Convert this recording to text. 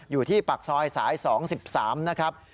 อยู่ที่ปากซอยสาย๒๓นะครับ